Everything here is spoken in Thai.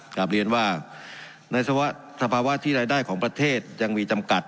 กลับเรียนว่าในสภาวะที่รายได้ของประเทศยังมีจำกัด